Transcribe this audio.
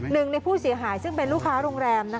หนึ่งในผู้เสียหายซึ่งเป็นลูกค้าโรงแรม